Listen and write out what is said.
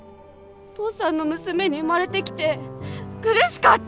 父さんの娘に生まれてきて苦しかった！